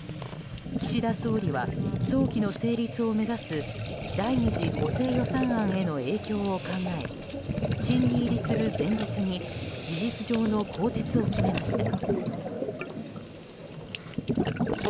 岸田総理は早期の成立を目指す第２次補正予算案への影響を考え審議入りする前日に事実上の更迭を決めました。